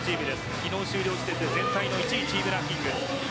昨日終了時点で全体１位のランキング。